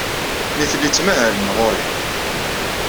Nitni ttmahalen ɣer-i.